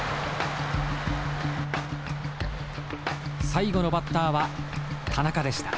最後のバッターは田中でした。